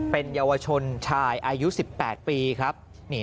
เป็นเยาวชนชายอายุ๑๘ปีครับ